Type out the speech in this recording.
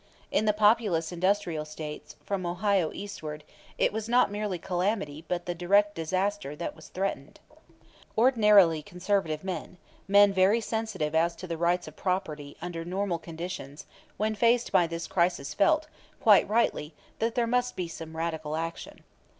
In the populous industrial States, from Ohio eastward, it was not merely calamity, but the direct disaster, that was threatened. Ordinarily conservative men, men very sensitive as to the rights of property under normal conditions, when faced by this crisis felt, quite rightly, that there must be some radical action.